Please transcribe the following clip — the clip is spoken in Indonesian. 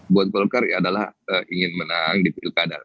buat golkar adalah ingin menang di pilkada